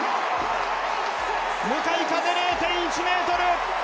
向かい風０．１ｍ。